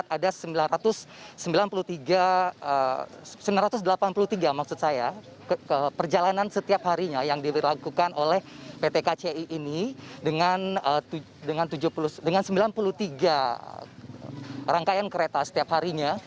ada sembilan ratus sembilan puluh tiga sembilan ratus delapan puluh tiga maksud saya perjalanan setiap harinya yang dilakukan oleh pt kci ini dengan sembilan puluh tiga rangkaian kereta setiap harinya